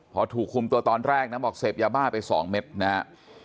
พอถูกคุมตัวตอนแรกนะบอกเสพยาบ้าไป๒เม็ดนะฮะ